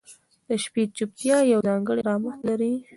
• د شپې چوپتیا یو ځانګړی آرامښت لري.